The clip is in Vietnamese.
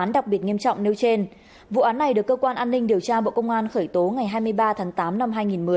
vụ án đặc biệt nghiêm trọng nêu trên vụ án này được cơ quan an ninh điều tra bộ công an khởi tố ngày hai mươi ba tháng tám năm hai nghìn một mươi